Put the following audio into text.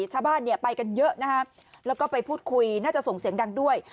ชาวบ้านเนี่ยไปกันเยอะนะฮะแล้วก็ไปพูดคุยน่าจะส่งเสียงดังด้วย